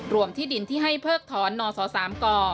ที่ดินที่ให้เพิกถอนนส๓ก